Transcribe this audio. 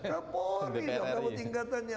kapolri dong gak mau tingkatan ya